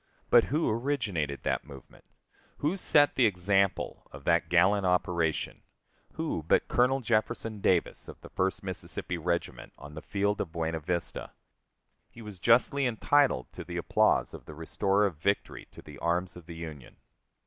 But who originated that movement; who set the example of that gallant operation who but Colonel Jefferson Davis, of the First Mississippi Regiment, on the field of Buena Vista? He was justly entitled to the applause of the restorer of victory to the arms of the Union.